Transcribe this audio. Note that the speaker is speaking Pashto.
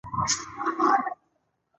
زمونږه زمونګه زمينګه